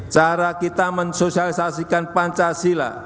cara kita mensosialisasikan pancasila